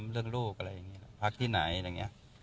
ซึ่งก็แต่งตัวดีใช่ไหมพี่